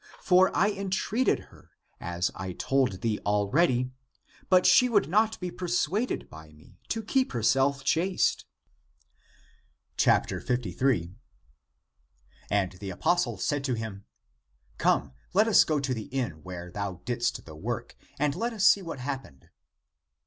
For I entreated her, as I told thee already, but she would not be persuaded by me to keep herself chaste." 53. And the apostle said to him, " Come, let us go to the inn, where thou didst the work, and let us see what happened.